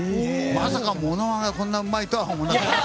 まさかモノマネがこんなにうまいとは思わなかった。